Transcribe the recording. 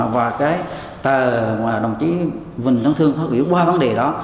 và đồng chí huỳnh thắng thương phát biểu ba vấn đề đó